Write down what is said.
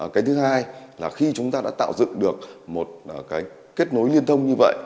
cái thứ hai là khi chúng ta đã tạo dựng được một cái kết nối liên thông như vậy